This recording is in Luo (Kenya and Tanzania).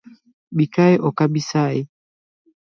Bikae ok abisayi.